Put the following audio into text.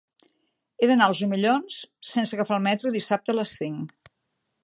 He d'anar als Omellons sense agafar el metro dissabte a les cinc.